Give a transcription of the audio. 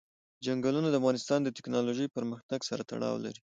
چنګلونه د افغانستان د تکنالوژۍ پرمختګ سره تړاو لري.